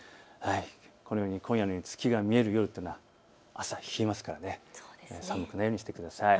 このように月が見える夜というのは朝、冷えますから寒くないようにしてください。